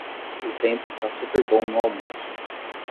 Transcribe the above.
O tempo está super bom no almoço